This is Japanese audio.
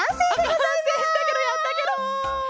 あっかんせいしたケロやったケロ！